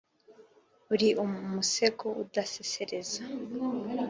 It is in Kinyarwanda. uri musego udasesereza